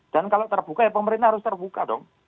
dan kalau terbuka ya pemerintah harus terbuka dong